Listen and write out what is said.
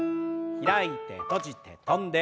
開いて閉じて跳んで。